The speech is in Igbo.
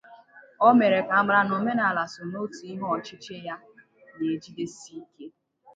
mere ka a mara na omenala so n'otu ihe ọchịchị ya na-ejigidesi ike